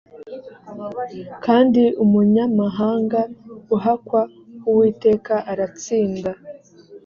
kandi umunyamahanga uhakwa ku uwiteka aratsinda